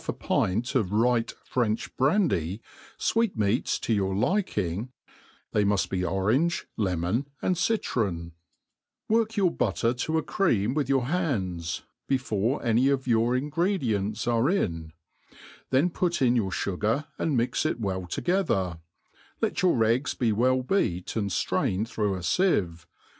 a pint of right French brandy, fweet«meats to your liking, they tmuft be orange, lemon, and citron* Work your butter to a icream with your hands, before any of your ingredients arc in ; then put in your fugar, and mix it well together ; let your eggs 4ie well beat and ftrained through a fieve